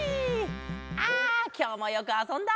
あきょうもよくあそんだ。